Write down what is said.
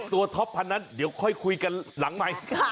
ท็อปพันธุ์นั้นเดี๋ยวค่อยคุยกันหลังใหม่